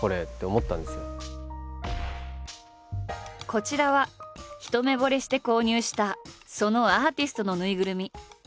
こちらは一目ぼれして購入したそのアーティストのぬいぐるみ。